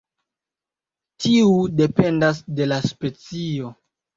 Tiu dependas de la specio.